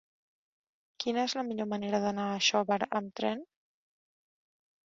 Quina és la millor manera d'anar a Xóvar amb tren?